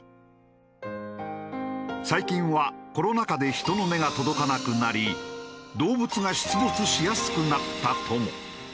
最近はコロナ禍で人の目が届かなくなり動物が出没しやすくなったとも。